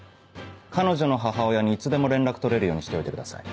彼女の母親にいつでも連絡取れるようにしておいてください。